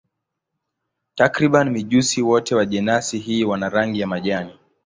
Takriban mijusi wote wa jenasi hii wana rangi ya majani.